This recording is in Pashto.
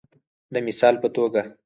د مثال په توګه